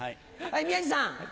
はい宮治さん。